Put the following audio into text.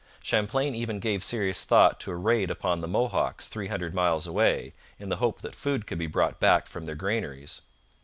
Champlain even gave serious thought to a raid upon the Mohawks, three hundred miles away, in the hope that food could be brought back from their granaries.